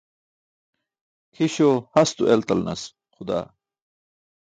Kʰiśo hasto eltalanas xudaa.